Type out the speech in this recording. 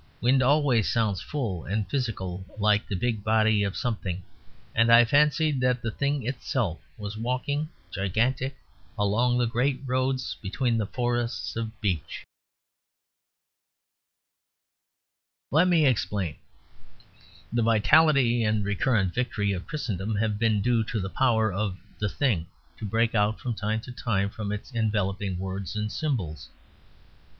Wind always sounds full and physical, like the big body of something; and I fancied that the Thing itself was walking gigantic along the great roads between the forests of beech. Let me explain. The vitality and recurrent victory of Christendom have been due to the power of the Thing to break out from time to time from its enveloping words and symbols.